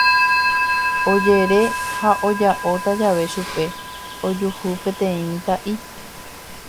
Ojere ha oja'óta jave chupe ojuhu peteĩ mitã'i.